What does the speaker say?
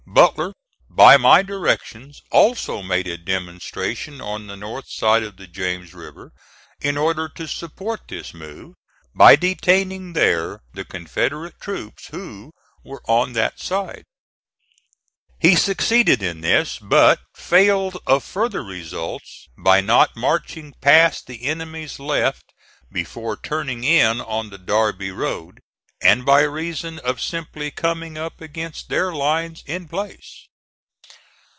Butler, by my directions, also made a demonstration on the north side of the James River in order to support this move, by detaining there the Confederate troops who were on that side. He succeeded in this, but failed of further results by not marching past the enemy's left before turning in on the Darby road and by reason of simply coming up against their lines in place.